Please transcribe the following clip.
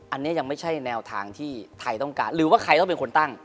อันนี้ยังไม่ใช่แนวทางที่ไทยต้องการหรือว่าใครต้องเป็นคนตั้ง